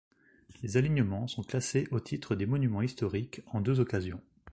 Les alignement sont classés au titre des monuments historiques en deux occasions.